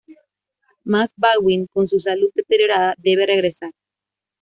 Mas Baldwin, con su salud deteriorada, debe regresar.